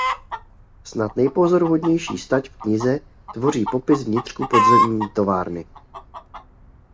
Snad nejpozoruhodnější stať v knize tvoří popis vnitřku podzemní továrny.